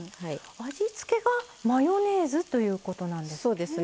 味付けがマヨネーズということなんですね。